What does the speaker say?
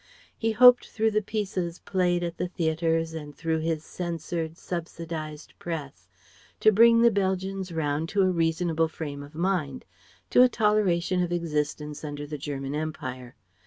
He hoped through the pieces played at the theatres and through his censored, subsidized press to bring the Belgians round to a reasonable frame of mind, to a toleration of existence under the German Empire.